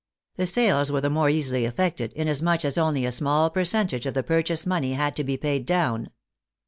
The sales were the more easily effected, inasmuch as only a small percentage of the pur chase money had to be paid down.